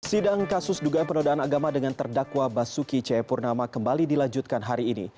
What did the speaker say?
sidang kasus dugaan penodaan agama dengan terdakwa basuki cepurnama kembali dilanjutkan hari ini